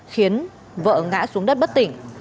khiến vợ ngã xuống đất bất tỉnh